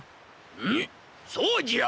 うむそうじゃ！